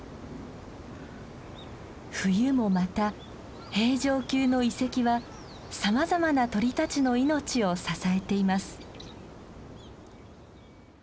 冬もまた平城宮の遺跡はさまざまな鳥たちの命を支えています。